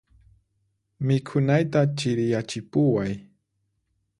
Mikhunayta chiriyachipuway.